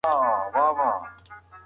نیکروز